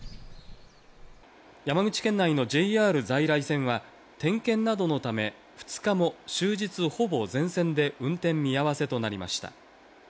山口県内のＪＲ在来線は、点検などのため、２日も終日、ほぼ全線で運転見合わせとなりました。